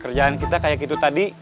kerjaan kita kayak gitu tadi